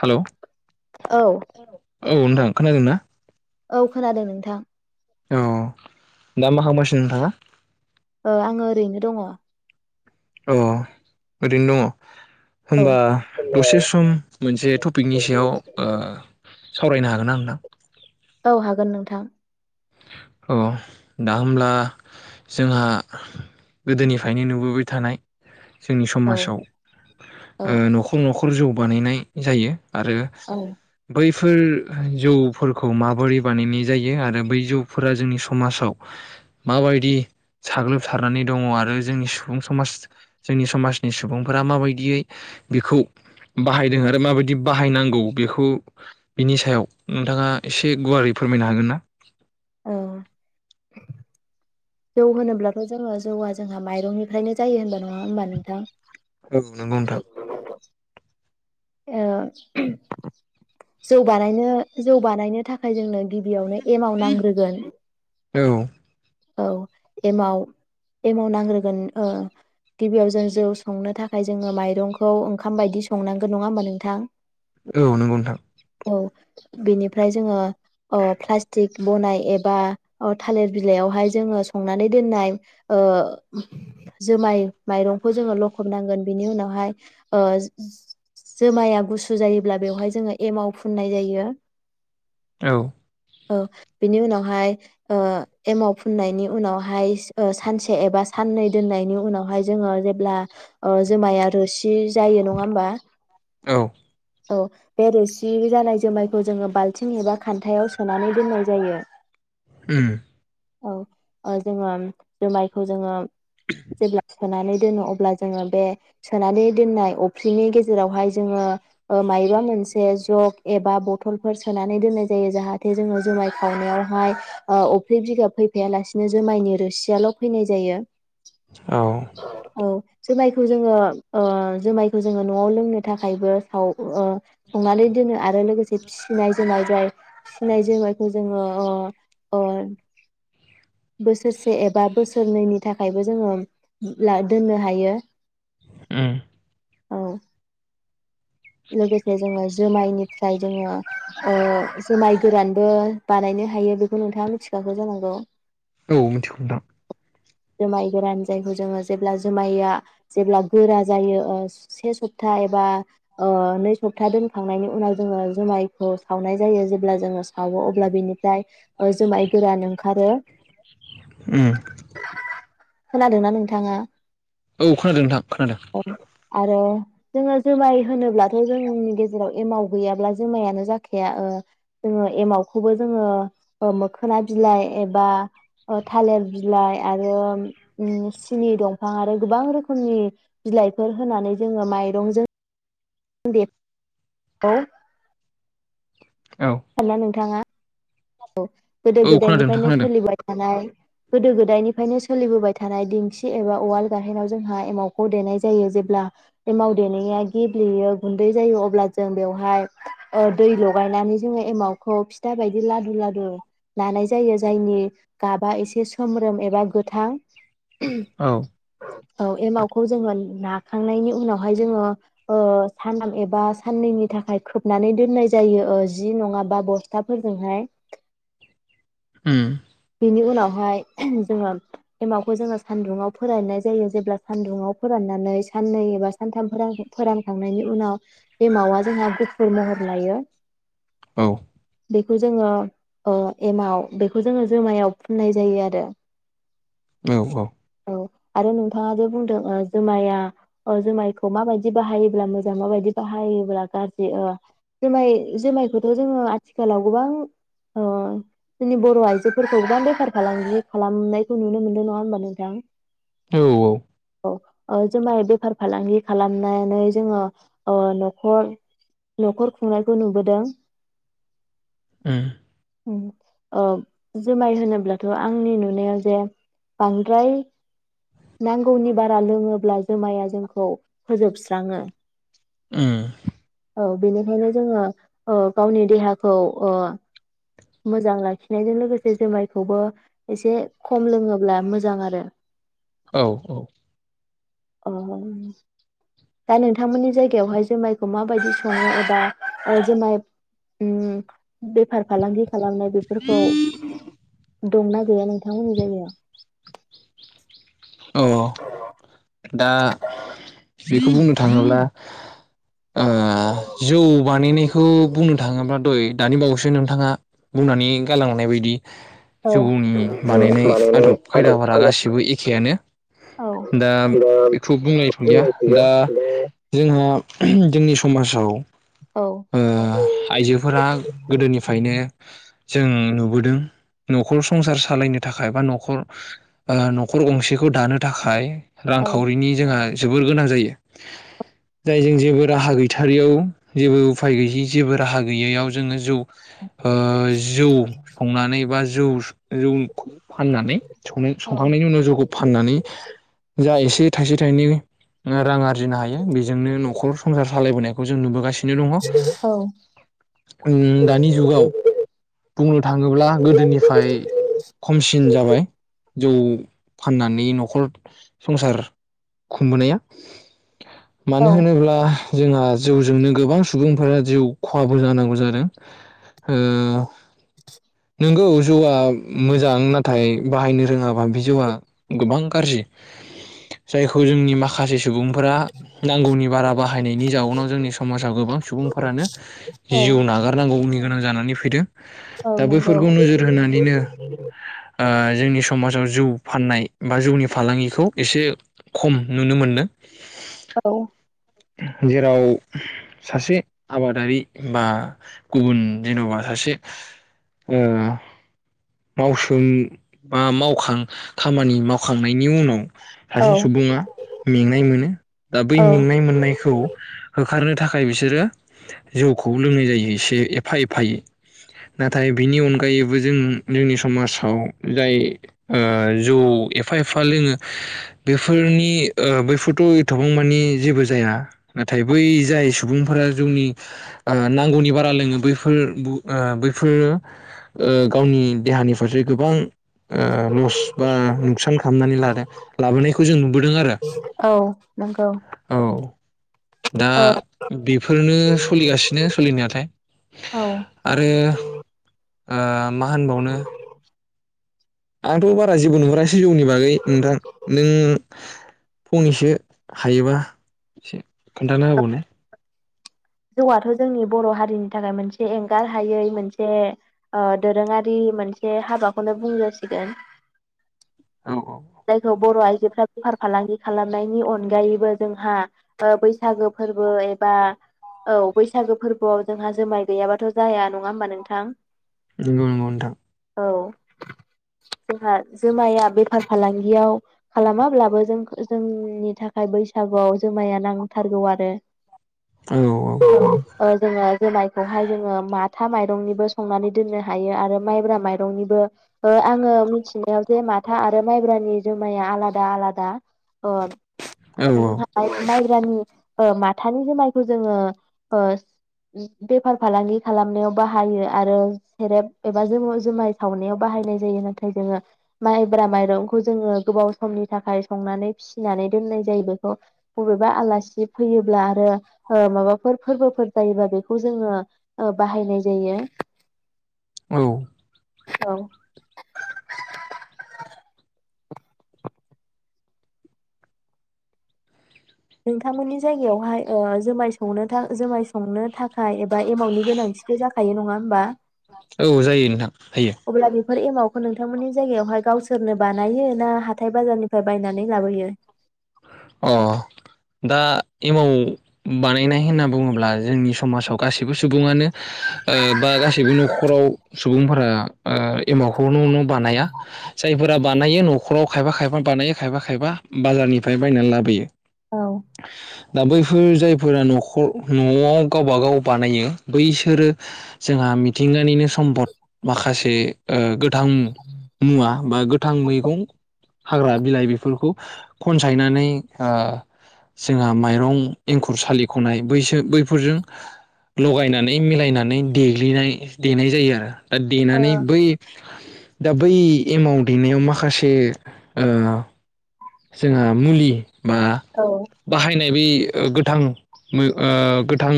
हेल'। औ औ-औ नोंथां खोनादोंना? औ खोनादों नोंथां। औ दा मा खालामगासिनो नोंथाङा। आंङो ओरैनो दङ। अ ओरैनो दङ। होमबा दसे सम मोनसे टपिकनि सायाव ओ सावरायनो हागोन ना नोंथां। औ हागोन नोंथां अह दा होमब्ला जोंहा गोदोनिफ्रायनो नुबोबाय थानाय जोंनि औ समाजाव औ ओ न'खर न'खर न'खर जौ बानायनाय जायो। आरो औ बै फोर जौफोरखौ माबोरै बानायनाय जायो आरो बै जौ फोरा जोंनि समाजाव माबायदि साग्लोबसारनानै दङ आरो जोंनि सुबुं समाज जोंनि समाजनि सुबुंफोरा माबायदियै बेखौ बाहायदों आरो माबायदि बाहायनांगौ बेखौ बिनि सायाव नोंथाङा एसे गुवारै फोरमायनो हागोन ना? औ जौ होनोब्लाथ' जोंङो जौआ जोंहा माइरंनिफ्रायनो जायो होनबा नङा होमबा नोंथां औ नंगौ नोंथां औ औ जौ बानायनो जौ बानायनो थाखाय जोंनो गिबियावनो एमाव नांग्रोगोन औ औ एमाव एमाव नांग्रोगोन ओ गिबियाव जों जौ संनो थाखाय जोंङो माइरंखौ ओंखाम बायदि संनां गोन नङा होमबा नोंथां औ नोंगौ नोंथां। औ बिनिफ्राय जोङो ओ प्लास्टिक बनाय एबा थालिर बिलाइयावहाय जोङो संनानै दोननाय ओ जुमाय माइरंखौ जोङो लखबनांगोन बिनि उनावहाय जो जोमाया गुसु जायोब्ला बेवहाय जोङो एमाव फुननाय जायो। औ। औ बिनि उनावहाय ओ एमाव फुननायनि उनावहाय ओ सानसे एबा साननै दोननायनि उनावहाय जोङो जेब्ला ओ जोमाया रोसि जायो नङा होमबा? औ। औ बे रोसि जानाय जुमायखौ जोङो बाल्थिं एबा खान्थायाव सोनानै दोननाय जायो। ओम। औ ओ जोङो जुमायखौ जोङो। जेब्ला सोनानै दोनो अब्ला जोङो बे सोनानै दोननाय अफ्रिनि गेजेर जेरावहाय जोङो मायबा मोनसे जग एबा बथलफोर सोनानै दोननाय जायो जाहाथे जोङो जुमाय खावनायावहाय ओ अफ्रि बिगाब फैफायालासिनो जुमायनि रोसियाल' फैनाय जायो। औ औ। जुमायखौ जोङो ओ जुमायखौ जोङो न'आव लोंनो थाखायबो साव ओ संनानै दोनो आरो लोगोसे फिसिनाय जुमाय नाय फिसिनाय जुमायखौ जोङो ओ ओ बोसोरसे एबा बोसोरनैनि थाखायबो जोङो ला दोननो हायो। उम्म। औ। लोगोसे जोङो जुमायनिफ्राय जोङो ओ जुमाय गोरानबो बानायनो हायो बेखौ नोंथाङा मिथिखाखौ जानांगौ। औ मिथिगौ नोंथां। जुमाय गोरान जायखौ जोङो जेब्ला जुमाइया जेब्ला गोरा जायो ओ से सप्ता एबा ओ नै सप्ता दोनखांनायनि उनाव जोङो जुमायखौ सावनाय जायो जेब्ला जोङो सावो अब्ला बिनि जाय ओ जुमाय गोरान ओंखारो। ओम। खोनादोंना नोंथाङा? औ खोनादों नोंथां खोनादों। आरो जोङो जोमाय होनोब्लाथ' जोंनि गेजेराव एमाव गैयाब्ला जुमायानो जाखाया ओ जोङो एमावखौबो जोङो मोखोना बिलाइ एबा थालिर बिलाइ आरो सिनि दंफां आरो गोबां रोखोमनि बिलाइफोर होनानै जोङो माइरंजों औ [unintelligible] ना नोंथाङा औ गोदो औ खोनादों नोंथां गोदायनिफ्रायनो खोनादों सोलिबाय थानाय। गोदो गोदायनिफ्रायनो सोलिबोबाय थानाय दिंखि एबा उवाल गाहेनाव जोंहा एमावखौ देनाय जायो जेब्ला एमाव देनाया गेब्लेयो गुन्दै जायो अब्ला जों बेवहाय दै लगायनानै जोङो एमावखौ फिथा बायदि लादु लादु लानाय जायो जायनि गाबा एसे सोमब्रोम एबा गोथां औ। औ एमाावखौ जोङो नाखांनायनि उनावहाय जोङो ओ सानाम एबा साननैनि थाखाय खोबनानै दोननाय जायो जि नङाबा बस्थाफोरजोंहाय। उम बेनि उनावहाय जोङो एमावखौ जोङो सान्दुङाव फोराननाय जायो जेब्ला सान्दुुंङाव फोराननानै साननै एबा सानथाम फोरानखांनायनि उनाव एमावा जोंहा गुफुर महर लायो। औ। बेखौ जोङो अ एमाव बेखौ जोङो जुमायाव फुननाय जायो आरो। औ औ। अ आरो नोंथाङा जे बुंदों ओ जुमाया अ जुमायखौ माबायदि बाहायोब्ला मोजां माबायदि बाहायोब्ला गाज्रि अ जुमाय जुमायखौथ' जोङो आथिखालाव गोबां अ जोंनि बर' आइजोफोरखौ गोबां बेफार फालांगि खालामनायखौ नुनो मोनदों नङा होमबा नोंथां? औ औ। औ जुमाय बेफार फालांगि खालामनानै जोङो ओ न'खर न'खर खुंनायखौ नुबोदों। उम। उम ओ जुमाय होनोब्लाथ' आंनि नुनायाव जे बांद्राय नांगौनि बारा लोङोब्ला जुमाया जोंखौ फोजोबस्राङो। उम। औ बेनिखायनो जोङो ओ गावनि देहाखौ ओ। मोजां लाखिनायजों लोगोसे जुमायखौबो एसे खम लोङोब्ला मोजां आरो। औ औ। अ दा नोंथांमोननि जायगायावहाय जुमायखौ माबायदि सङो एबा अ जुमाय उम बे बेफार फालांगि खालामनाय बेफोरखौ दंना गैया नोंथांमोननि जायगायाव? औ। दा बेखौ बुंनो थाङोब्ला ओ जौ बानायनायखौ बुंनो थाङोब्ला दै दानि बावैसो नोंथाङा बुंनानै गालांनाय बायदि जौनि बानायनाय आदब खायदाफोरा गासिबो एखेयानो। दा बेखौ बुंलायथ'लिया दा जोंहा [unintelligible] जोंनि समाजाव औ ओ आइजोफोरा गोदोनिफ्रायनो जों नुबोदों न'खर संसार सालायनो थाखाय बा न'खर ओ न'खर गंसेखो खौ दानो थाखाय औ रांखावरिनि जोंहा जोबोर गोनां जायो। जाय जों जेबो राहा गैथारियाव जेबो उफाय गैयि जेबो राहा गैयैयाव जोङो जौ ओ जौ संनानै एबा ज जौस जौ फाननानै संनाय औ संखांनायनि उनाव जौखौ इ जा एसे थाइसे थाइनै रां आरजिनो हायो बेजोंनो न'खर संसार सालायबोनायखौ जों नुबोगासिनो। दिनो दङ उम दानि जुगाव बुंनो थाङोब्ला गोदोनिफ्राय खमसिन जाबाय। जौ फाननानै न'खर संसार खुंबोनाया। औ मानो होनोब्ला जोंहा जौ जोंनो गोबां सुबुंफोरा जिउ खहाबो जानांगौ जादों ओ नोंगौ जौआ मोजां नाथाय बाहायनो रोङाबा बिजौआ गोबां गाज्रि जायखौ जोंनि माखासे सुबुंफोरा नांगौनि बारा बाहायनायनि जाउनाव जोंनि समाजाव गोबां सुबुंफोरानो औ जिउ नागारनांगौनि गोनां जानानै फैदों औ दा नंगौ बैफोरखौ नोजोर होनानैनो ओ जोंनि समाजाव जौ फाननाय बा जौनि फालांगिखौ एसे खम नुनो मोनदों। औ। जेराव सासे आबादारि बा गुबुन जेन'बा सासे मावसोम बा मावखां खामानि मावखांनायनि उनाव औ सासे सुबुङा मेंनाय मोनो दा बै औ मेंनाय मोननाय खौ होखारनो थाखाय बिसोरो जौखौ लोंनाय जायो एसे एफा एफायै नाथाय बिनि अनगायैबो जों जोंनि समाजाव जाय जौ एफा एफा लोङो बेफोरनि बैफोरथ' एथबांमानि जेबो जाया। नाथाय बै जाय सुबुंफोरा जोंनि नांगौनि बारा लोङो बैफोर बैफोरो गावनि देहानि फारसे गोबां लस बा नुखसान खालामनानै लादों लाबोनायखौ जों नुबोदों आरो औ नंगौ। औ दा औ बेफोरनो सोलिगासिनो सोलिनायथाय औ आरो ओ मा होनबावनो आंथ' बारा जेबो नुहरासै जौनि बागै नोंथां नों फंनैसो हायोबा एसे खोन्थाना हाबावनाय। जौआथ' जोंनि बर' हारिनि थाखाय मोनसे एंगार हायै मोनसे दोरोङारि मोनसे हाबाखौनो बुंजासिगोन। औ औ जायखौ बर' आइजोफ्रा बेफार फालांगि खालामनायनि अनगायैबो जोंहा ओ बैसागो फोरबो एबा औ बैसागो फोरबोआव जोंहा जुमाय गैयाबाथ' जाया नङा होमबा नोंथां? नंगौ नंगौ नोंथां। औ जोंहा जोमाया बेफार फालांगियाव खालामाब्लाबो जों जोंनि थाखाय बैसागुआव जुमाया नांथारगौ आरो औ औ। ओ जोङो जुमायखौहाय जोङो माथा माइरंनिबो संनानै दोननो हायो आरो माइब्रा माइरंनिबो ओ आङो मिथिनायाव जे माथा आर रो माइब्रानि जुमाया आलादा आलादा ओ औ जोंहा हाय माइब्रानि ओ माथानि जुमायखौ जोङो ओ बेफार फालांगि खालामनायाव बाहायो आरो सेरेब एबा जुमब जुमाय सावनायाव बाहायनाय जायो नाथाय जोङो माइ ब्रा माइरंखौ जोङो गोबाव समनि थाखाय संनानै फिसिनानै दोननाय जायो बेखौ बबेबा आलासि फैयोब्ला आरो ओ माबाफोर फोरबोफोर जायोबा बेखौ जोङो ओ बाहायनाय जायो। औ। औ। [inaudible] नोंथांमोननि ज जायगायावहाय ओ जुमाय संनो था जुमाय संनो थाखाय एबा एमाउनि गोनांथिथ' जाखायो नङा होमबा? औ जायो नोंथां। हायो अब्ला बि फोर एमाउखौ नोंथांमोननि जायगायावहाय गावसोरनो बानायो ना हाथाय बाजारनिफ्राय बायनानै लाबोयो? अ दा एमाव बानायनाय होनना बुङोब्ला जोंनि समाजाव गासैबो सुबुङानो ओ बा गासैबो न'खराव सुबुंफोरा ओ एमावखौ न' न' बानाया जायफोरा बानायो न'खराव खायफा खायफा बानायो खायफा खायफा बाजारनि फाय बायनानै लाबोयो। औ। दा बैफोर जायफोरा न'खर न'आव गावबा गाव बानायो बैसोरो जोंहा मिथिंगानिनो सम्फद माखासे ओ गोथां मुवा बा गोथां मैगं हाग्रा बिलाइ बेफोरखौ खनसायनानै ओ जोंहा माइरं एंखुर सालिख'नाय बैसो बैफोरजों लगायनानै मिलायनानै देग्लिनाय देनाय जायो आरो। दा औ देनानै बै दा बै एमाव दैेनायाव माखासे ओ जोंहा मुलि बा औ बाहायनाय बे ओ गोथां मो ओ गोथां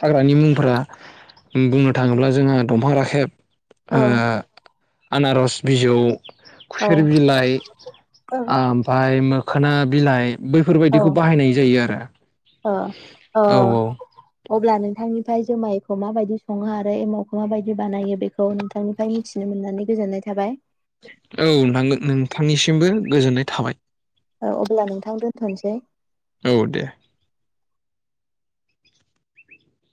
हाग्रानि मुंफोरा बुंनो थाङोब्ला जोंहा दंफां राखेब औ ओ आनारस बिजौ खुसेर बिलाइ औ आम फाय मोखोना बिलाइ बैफोरबायदिखौ बाहायनाय जायो आरो। अ अ। औ औ अब्ला नोंथांनिफ्राय जुमायखौ माबायदि सङो आरो एमावखौ माबायदि बानायो बेखौ नोंथांनिफ्राय मिथिनो मोननानै गोजोननाय थाबाय। औ नोंथां नोंथांनिसिमबो गोजोननाय थाबाय। अब्ला नोंथां दोनथ'सै। औ दे।